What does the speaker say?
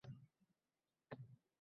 G’am, dog’i qolur.